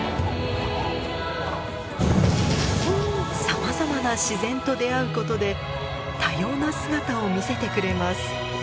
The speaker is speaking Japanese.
さまざまな自然と出合うことで多様な姿を見せてくれます。